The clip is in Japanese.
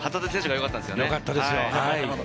よかったですよ。